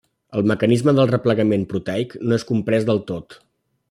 El mecanisme del replegament proteic no és comprès del tot.